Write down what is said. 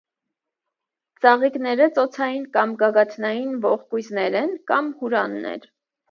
Ծաղիկները ծոցային կամ գագաթնային ողկույզներ են, կամ հուրաններ։